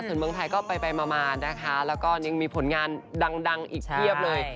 ส่วนเมืองไทยก็ไปมานะคะแล้วก็ยังมีผลงานดังอีกเพียบเลย